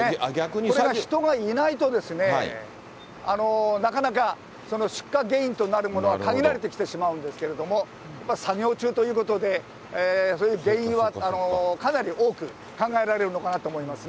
これが人がいないとですね、なかなか出火原因となるものは限られてきてしまうんですけど、やっぱり作業中ということで、そういう原因はかなり多く考えられるのかなと思いますね。